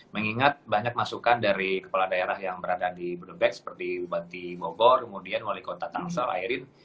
mengingat banyak masukan dari kepala daerah yang berada di bodobag seperti bati bobor kemudian wali kota tangsal airin